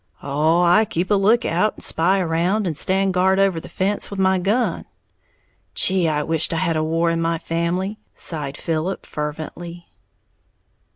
"Oh, I keep a lookout, and spy around, and stand guard over the fence with my gun." "Gee, I wisht I had a war in my family!" sighed Philip, fervently.